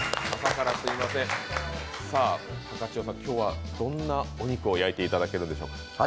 今日はどんなお肉を焼いていただけるんでしょうか。